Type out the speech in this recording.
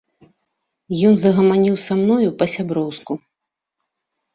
Ён загаманіў са мною па-сяброўску.